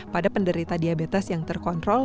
pada penderita diabetes yang terkontrol